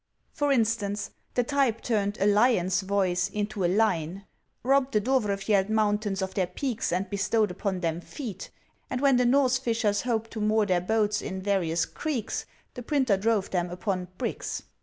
For instance, the type turned a " lion's '" voice into a "line," robbed the Dovrefield Mountains of their "peaks " and bestowed upon them " feet." and when the Xorse fishers hoped to moor their boat in various " creeks," the printer drove them upon " bricks."